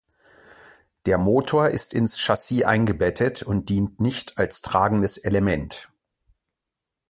Der Motor ist ins Chassis eingebettet und dient nicht als Tragendes Element.